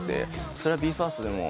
それはＢＥ：ＦＩＲＳＴでも。